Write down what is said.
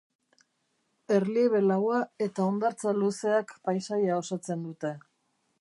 Erliebe laua eta hondartza luzeak paisaia osatzen dute.